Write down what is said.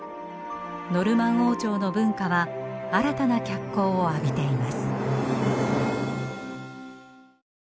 ノルマン王朝の文化は新たな脚光を浴びています。